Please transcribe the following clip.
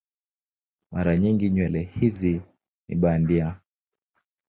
Mara nyingi nywele hizi ni bandia.